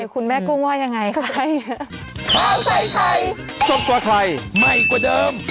คุณแม่กุ้งว่ายังไงใคร